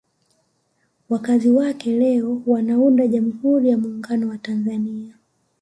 Wakazi wake leo wanaunda Jamhuri ya Muungano wa Tanzania